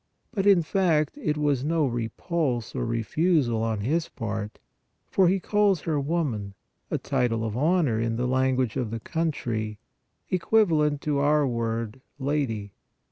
But, in fact, it was no repulse or refusal on His part, for He calls her " woman," a title of honor in the lan guage of the country, equivalent to our word " lady."